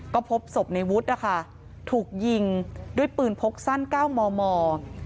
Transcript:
ก็พบศพในวุฒินะคะถูกยิงด้วยปืนพกสั้น๙มม